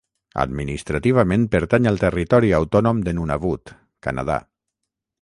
Administrativament pertany al territori autònom de Nunavut, Canadà.